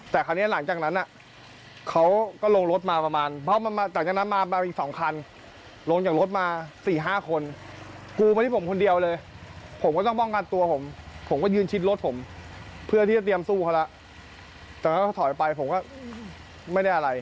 แต่คราวนี้หลังจากนั้นเขาก็ลงรถมาประมาณเพราะหลังจากนั้นมามาอีก๒คันลงจากรถมา๔๕คนกูมาที่ผมคนเดียวเลยผมก็ต้องป้องกันตัวผมผมก็ยืนชิดรถผมเพื่อที่จะเตรียมสู้เขาแล้วตอนนั้นเขาถอยไปผมก็ไม่ได้อะไร